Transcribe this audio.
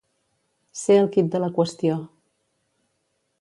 Ser el quid de la qüestió.